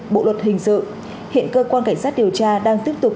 bộ luật hình sự hiện cơ quan cảnh sát điều tra đang tiếp tục